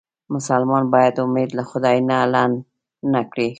مسلمان باید امید له خدای نه لنډ نه کړي.